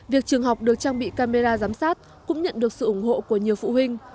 việc trường học được trang bị camera giám sát cũng nhận được sự ủng hộ của nhiều phụ huynh